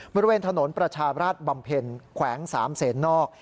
บริเวณถนนประชาราชบำเพ็ญแขวง๓เสนนอก